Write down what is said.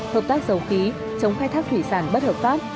hợp tác dầu khí chống khai thác thủy sản bất hợp pháp